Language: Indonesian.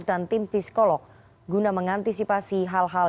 dan tim psikolog guna mengantisipasi hal hal